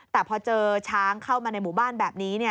แต่พอเจอช้างเข้ามาในหมู่บ้านแบบนี้